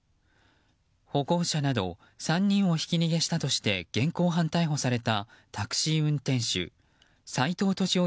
歩行者など３人をひき逃げしたとして現行犯逮捕されたタクシー運転手斎藤敏夫